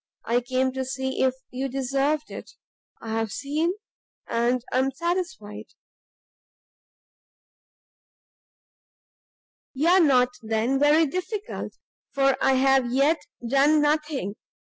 I came to see if you deserved it; I have seen, and am satisfied." "You are not, then, very difficult, for I have yet done nothing.